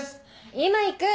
今行く。